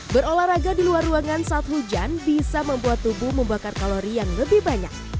berolahraga di luar ruangan saat hujan bisa membuat tubuh membakar kalori yang lebih banyak